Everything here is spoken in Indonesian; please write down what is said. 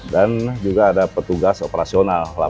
dan juga ada petugas operasional